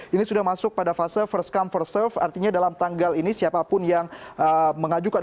ini sudah masuk pada fase first come first serve artinya dalam tanggal ini siapapun yang mengajukan